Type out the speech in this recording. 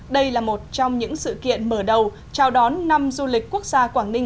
đây là một trong những sự kiện mở đầu chào đón năm du lịch quốc gia quảng ninh hai nghìn một mươi tám